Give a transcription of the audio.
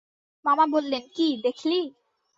মামা বললেন, কি, দেখলি?